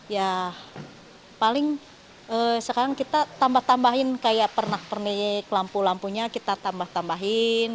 ya paling sekarang kita tambah tambahin kayak pernah pernik lampu lampunya kita tambah tambahin